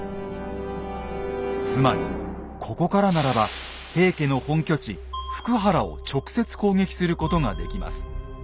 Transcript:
つまりここからならば平家の本拠地・福原を直接攻撃することができます。